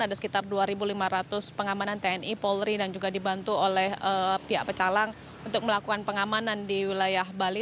ada sekitar dua lima ratus pengamanan tni polri dan juga dibantu oleh pihak pecalang untuk melakukan pengamanan di wilayah bali